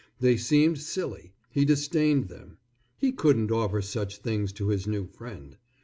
They seemed silly. He disdained them. He couldn't offer such things to his new friend.